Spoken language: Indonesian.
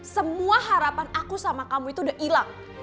semua harapan aku sama kamu itu udah hilang